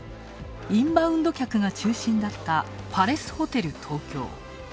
インバウンド客が中心だったパレスホテル東京。